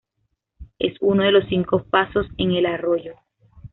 Es uno de los cinco pasos en el arroyo.